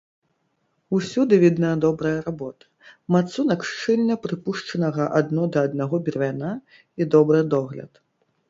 Усюды відна добрая работа, мацунак шчыльна прыпушчанага адно да аднаго бервяна і добры догляд.